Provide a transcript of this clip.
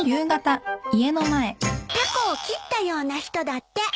タコを切ったような人だって。